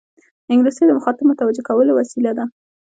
انګلیسي د مخاطب متوجه کولو وسیله ده